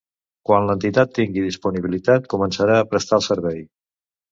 Quan l'entitat tingui disponibilitat començarà a prestar el servei.